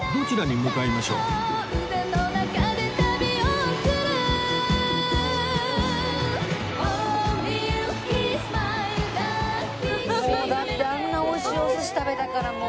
もうだってあんなおいしいお寿司食べたからもう。